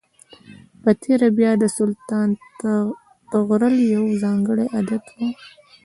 په تېره بیا د سلطان طغرل یو ځانګړی عادت و.